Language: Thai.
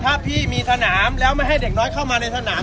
ถ้าพี่มีสนามแล้วไม่ให้เด็กน้อยเข้ามาในสนาม